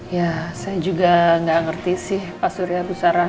ya saya juga gak ngerti sih pak surya dusara